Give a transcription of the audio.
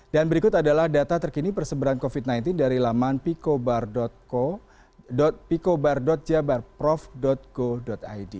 dan berikut adalah data terkini persebaran covid sembilan belas dari laman picobar jabarprof go id